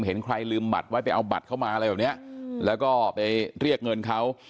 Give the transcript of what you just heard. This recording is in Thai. เห็นใครลืมบัตรไว้ไปเอาบัตรเข้ามาอะไรแบบเนี้ยแล้วก็ไปเรียกเงินเขา